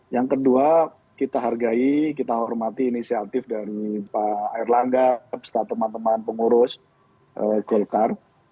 yang kedua kita hargai kita hormati inisiatif dari pak erlangga beserta teman teman pengurus golkar